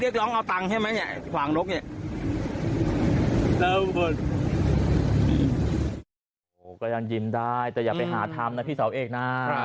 ก็ยังยิ้มได้แต่อย่าไปหาทำนะพี่สาวเอกนะ